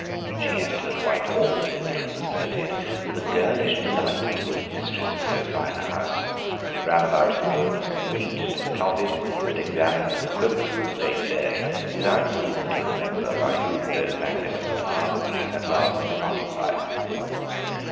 She entered Whitehall, it was asserted, with a girlish delight at being mistress of so fine a house, ran about the rooms, peeped into the closets, and examined the quilt of the state bed, without seeming to remember by whom those magnificent apartments had last been occupied.